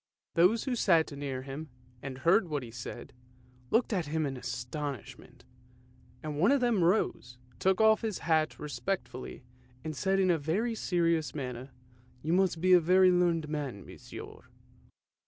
Those who sat near him and heard what he said, looked at him in astonishment, and one of them rose, took off his hat 3H ANDERSEN'S FAIRY TALES respectfully, and said in a very serious manner, " You must be a very learned man, monsieur."